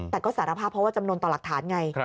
แต่ก็สารภาพเพราะว่าจำนวนต่อหลักฐานไง